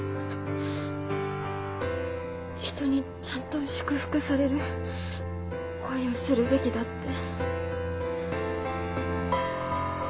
人にちゃんと祝福される恋をするべきだって。